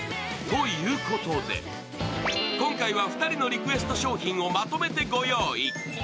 ということで今回は２人のリクエスト商品をまとめて御用意。